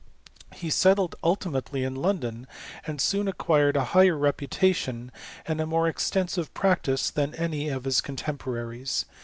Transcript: He settled ultimately in London, and soon acquired a higher reputation, and a more extensive practice, than any of his contemporaries.